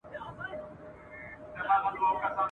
موږ له سدیو ګمراهان یو اشنا نه سمیږو !.